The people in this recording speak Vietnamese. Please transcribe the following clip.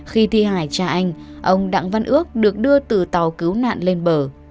khi thi hải cha anh ông đặng văn ước được đưa từ tàu cứu nạn lên bờ